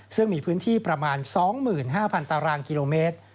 ซึ่งมีพื้นที่ประมาณ๒๕๐๐ตารางกิโลเมตร